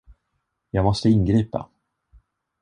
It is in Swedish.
Jag måste ingripa.